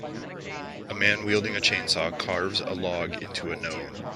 A man weilding a chainsaw carves a log into a Gnome.